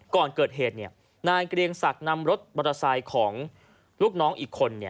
ก่อนเกิดเหตุนายเกรียงศักดิ์นำรถมอเตอร์ไซค์ของลูกน้องอีกคน